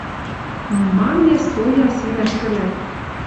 Ну, мам йӓ стоя сирӓш тӹлӓт